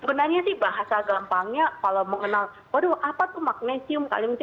sebenarnya sih bahasa gampangnya kalau mengenal waduh apa tuh magnesium kalium gitu ya